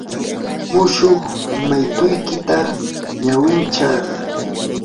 mushuq maytuykita ñawinchay.